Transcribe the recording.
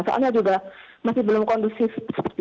soalnya juga masih belum kondusif